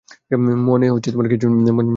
মনে কিছু নিবে না।